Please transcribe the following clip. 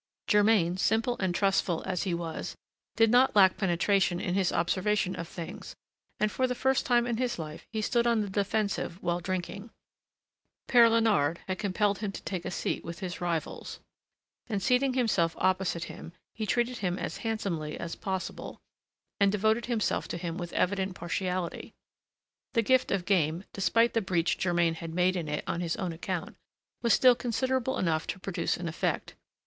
Germain, simple and trustful as he was, did not lack penetration in his observation of things, and for the first time in his life he stood on the defensive while drinking. Père Léonard had compelled him to take a seat with his rivals, and, seating himself opposite him, he treated him as handsomely as possible, and devoted himself to him with evident partiality. The gift of game, despite the breach Germain had made in it on his own account, was still considerable enough to produce an effect.